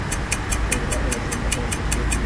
আপনার আসলে কোথাও যাবারও কথা না।